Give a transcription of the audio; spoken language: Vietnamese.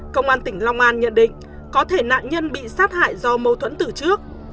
công an tỉnh long an nhận định có thể nạn nhân bị sát hại do mâu thuẫn từ trước